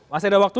masih ada waktu